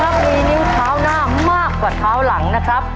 ถ้ามีนิ้วเท้าหน้ามากกว่าเท้าหลังนะครับ